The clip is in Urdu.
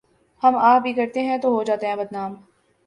ہم آہ بھی کرتے ہیں تو ہو جاتے ہیں بدنام۔